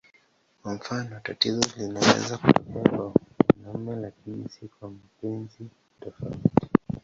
Kwa mfano, tatizo linaweza kutokea kwa mumewe lakini si kwa mpenzi tofauti.